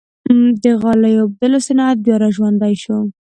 د غالۍ اوبدلو صنعت بیا ژوندی شو؟